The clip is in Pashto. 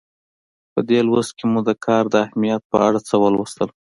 په دې لوست کې مو د کار د اهمیت په اړه څه ولوستل.